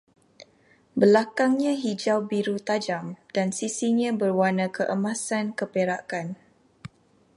Belakangnya hijau-biru tajam, dan sisinya berwarna keemasan-keperakan